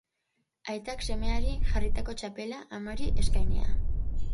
Aitak semeari jarritako txapela amari eskainia.